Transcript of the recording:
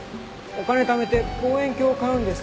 お金ためて望遠鏡を買うんですから。